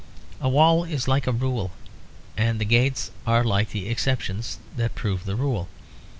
A wall is like rule; and the gates are like the exceptions that prove the rule.